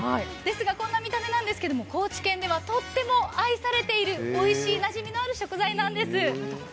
こんな見た目なんですけれども高知県ではとっても愛されているおいしいなじみのある食材なんです。